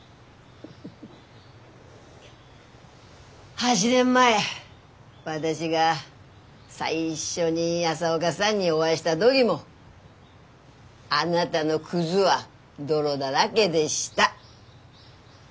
８年前私が最初に朝岡さんにお会いした時もあなたの靴は泥だらげでした。